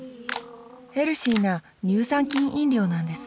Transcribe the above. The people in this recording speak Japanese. ヘルシーな乳酸菌飲料なんです